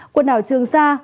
quần đảo trường sa